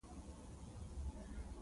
نننی انسان زغملای نه شي.